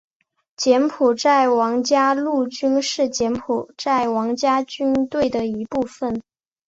柬埔寨王家陆军是柬埔寨王家军队的一部分。